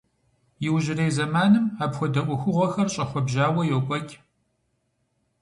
Иужьрей зэманым апхуэдэ ӏуэхугъуэхэр щӏэхуэбжьауэ йокӏуэкӏ.